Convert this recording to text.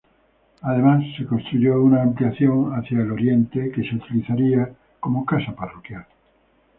Además, se construyó una ampliación hacia el oriente que se utilizaría como casa parroquial.